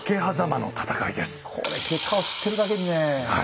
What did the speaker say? これ結果を知ってるだけにね。